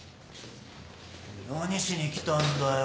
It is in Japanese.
何しに来たんだよ？